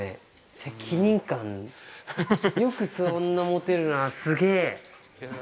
責任感、よくそんな持てるな、すげえ。